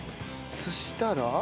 そしたら。